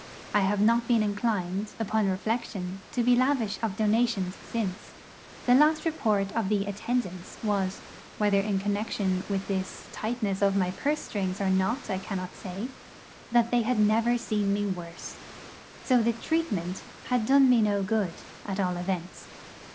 I have not been inclined, upon reflection, to be lavish of donations since. The last report of the 'attendants' was whether in connexion with this tightness of my purse strings or not I cannot say that they had never seen me worse. So the 'treatment' had done me no good, at all events.